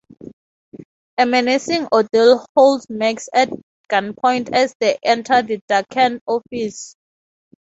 A menacing Ordell holds Max at gunpoint as they enter the darkened office.